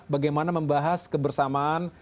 bagaimana membahas kebersamaan